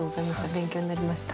勉強になりました。